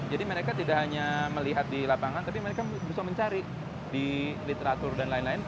jadi mereka tidak hanya melihat di lapangan tapi mereka juga mencari di literatur dan lain lain